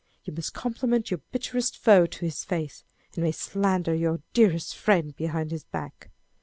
You must compliment your bitterest foe to his face, and may slander your dearest friend behind his back.